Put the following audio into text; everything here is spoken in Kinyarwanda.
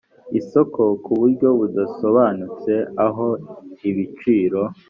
isoko ku buryo budasobanutse aho ibiciro